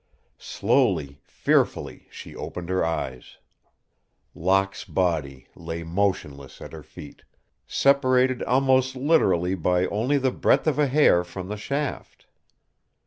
Slowly, fearfully, she opened her eyes. Locke's body lay motionless at her feet, separated almost literally by only the breadth of a hair from the shaft.